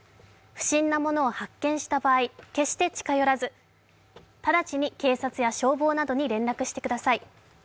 不審なものを発見した場合、決して近寄らず直ちに警察や消防などに連絡してください。